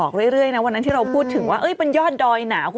แก้ปรักตัดเปี๋ยก